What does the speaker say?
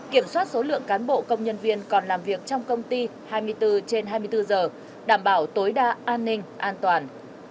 kiểm soát số lượng cán bộ công nhân viên còn làm việc trong công ty hai mươi bốn trên hai mươi bốn giờ đảm bảo tối đa an ninh an toàn